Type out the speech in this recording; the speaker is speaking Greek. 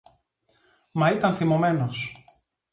Μα ήταν θυμωμένος